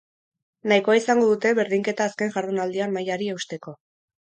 Nahikoa izango dute berdinketa azken jardunaldian mailari eusteko.